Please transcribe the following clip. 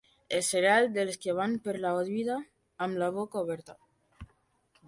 El cereal dels que van per la vida amb la boca oberta.